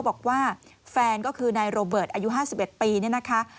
ก็บอกว่าแฟนก็คือนายโรเบิร์ตอายุห้าสิบเอ็ดปีเนี่ยนะคะ